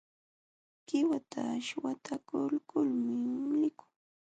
Qiwata shwatakuykulmi likun.